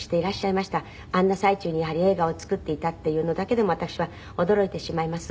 あんな最中に映画を作っていたっていうのだけでも私は驚いてしまいます。